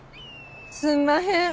すんまへん。